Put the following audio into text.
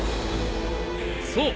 そう。